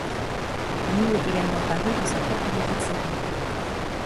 Binou est également apparue dans sa propre petite série.